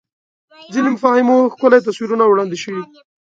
ځینو مفاهیمو ښکلي تصویرونه وړاندې شوي